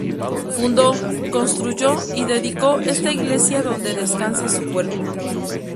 Fundó, construyó y dedicó esta iglesia donde descansa su cuerpo.